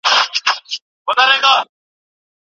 که ښځې پارک جوړ کړي نو تفریح به نه وي کمه.